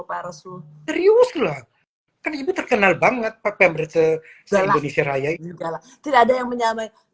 peres lu serius lu kan ibu terkenal banget pak pemberita indonesia raya tidak ada yang menyamai